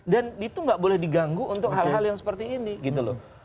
dan itu gak boleh diganggu untuk hal hal yang seperti ini gitu loh